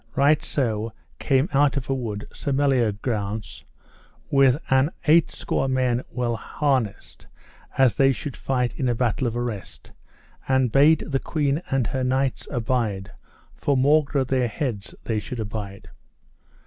Right so came out of a wood Sir Meliagrance with an eight score men well harnessed, as they should fight in a battle of arrest, and bade the queen and her knights abide, for maugre their heads they should abide.